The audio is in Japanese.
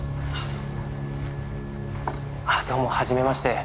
どうもはじめまして。